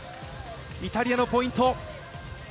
イタリアのポイント。